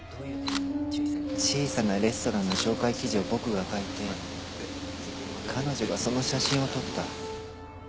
小さなレストランの紹介記事を僕が書いて彼女がその写真を撮った。